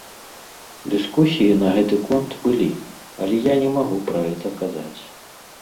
Дыскусіі на гэты конт былі, але я не магу пра гэта казаць.